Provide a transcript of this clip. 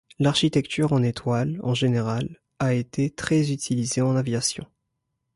L'architecture en étoile, en général, a été très utilisée en aviation.